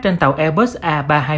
trên tàu airbus a ba trăm hai mươi một